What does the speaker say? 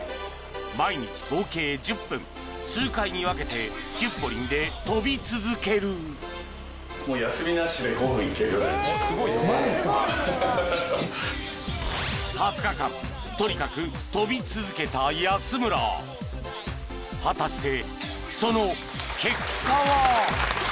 毎日合計１０分数回に分けてキュッポリンで跳び続けるマジっすか２０日間とにかく跳び続けた安村果たしてその結果は？